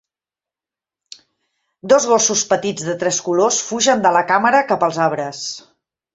Dos gossos petits de tres colors fugen de la càmera cap els arbres.